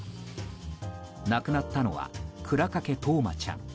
亡くなったのは倉掛冬生ちゃん。